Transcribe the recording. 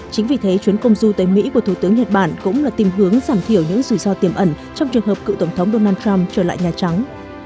chính vì thế chuyến công du tới mỹ của thủ tướng nhật bản cũng là tìm hướng giảm thiểu những rủi ro tiềm ẩn trong trường hợp cựu tổng thống donald trump trở lại nhà trắng